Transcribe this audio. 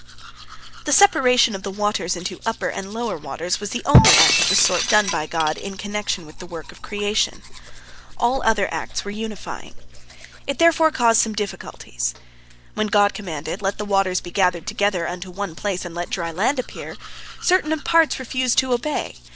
The separation of the waters into upper and lower waters was the only act of the sort done by God in connection with the work of creation. All other acts were unifying. It therefore caused some difficulties. When God commanded, "Let the waters be gathered together, unto one place, and let the dry land appear," certain parts refused to obey.